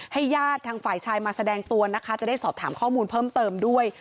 ญาติทางฝ่ายชายมาแสดงตัวนะคะจะได้สอบถามข้อมูลเพิ่มเติมด้วย